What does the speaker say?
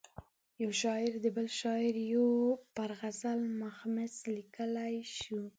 یو شاعر د بل شاعر پر غزل مخمس لیکلای شو.